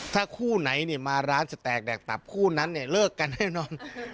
ถ้าคู่ไหนมาร้านจะแตกแดกตับคู่นั้นเนี่ยเลิกกันแน่นอน